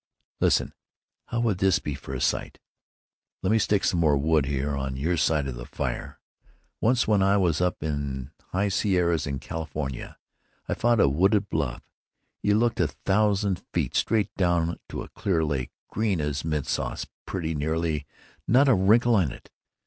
"Listen, how would this be for a site? (Let me stick some more wood there on your side of the fire.) Once when I was up in the high Sierras, in California, I found a wooded bluff—you looked a thousand feet straight down to a clear lake, green as mint sauce pretty nearly, not a wrinkle on it.